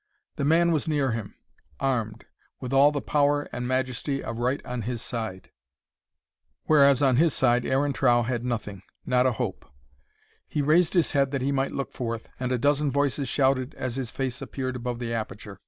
The man was near him, armed, with all the power and majesty of right on his side; whereas on his side, Aaron Trow had nothing,—not a hope. He raised his head that he might look forth, and a dozen voices shouted as his face appeared above the aperture.